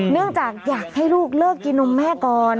เนื่องจากอยากให้ลูกเลิกกินนมแม่ก่อน